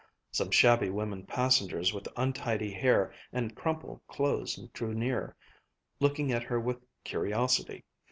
Some shabby woman passengers with untidy hair and crumpled clothes drew near, looking at her with curiosity.